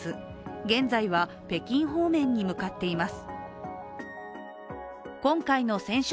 現在は北京方面に向かっています。